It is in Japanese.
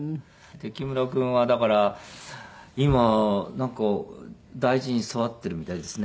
木村君はだから今なんか大事に育ててるみたいですね。